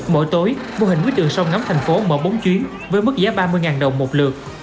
mỗi tối mô hình quý đường sông ngắm thành phố mở bốn chuyến với mức giá ba mươi đồng một lượt